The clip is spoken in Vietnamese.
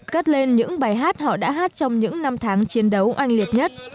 cất lên những bài hát họ đã hát trong những năm tháng chiến đấu oanh liệt nhất